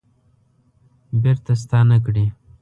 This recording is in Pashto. بیرته ستانه کړي